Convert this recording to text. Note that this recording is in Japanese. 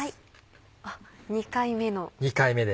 あっ２回目の。